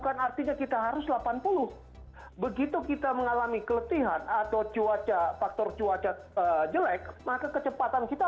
dan yang terakhir adalah negara beragaman penghubungan dengan kendaraan seperti penghubung pemerintah